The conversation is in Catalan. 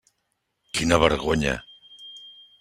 Quina vergonya!